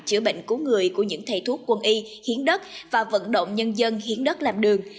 chữa bệnh cứu người của những thầy thuốc quân y hiến đất và vận động nhân dân hiến đất làm đường